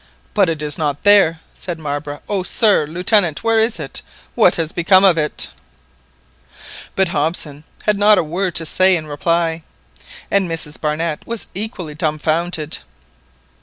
"But it is not there," said Marbre. "Oh, sir—Lieutenant—where is it? what has become of it?" But Hobson had not a word to say in reply, and Mrs Barnett was equally dumfounded.